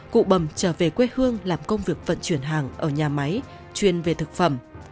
cụ bầm trở về quê hương làm công việc vận chuyển hàng ở nhà máy chuyên về thực phẩm